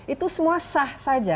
itu semua sah saja